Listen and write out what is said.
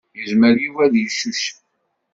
Yezmer Yuba ad icucef.